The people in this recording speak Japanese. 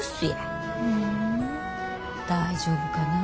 大丈夫かな？